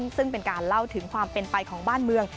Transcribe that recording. ซึ่งเป็นการเล่าถึงความเป็นไปของบ้านเมือง